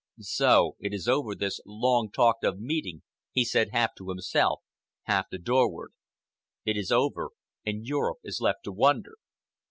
"So it is over, this long talked of meeting," he said, half to himself, half to Dorward. "It is over, and Europe is left to wonder."